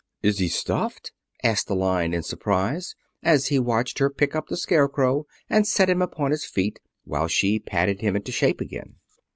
"Is he stuffed?" asked the Lion in surprise, as he watched her pick up the Scarecrow and set him upon his feet, while she patted him into shape again.